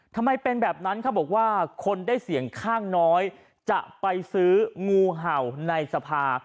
ทำไมเป็นแบบนั้นเขาบอกว่าคนได้เสี่ยงข้างน้อยจะไปซื้องูเห่าในสภา